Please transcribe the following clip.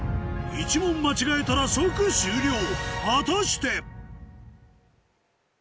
１問間違えたら即終了果たして⁉